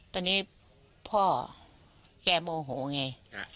ตอนนี้พ่อแกโมโหไง